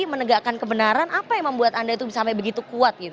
menegakkan kebenaran apa yang membuat anda sampai begitu kuat